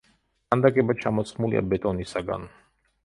ქანდაკება ჩამოსხმულია ბეტონისაგან.